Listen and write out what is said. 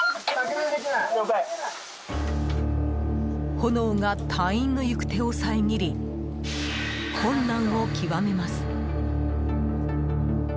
炎が隊員の行く手を遮り困難を極めます。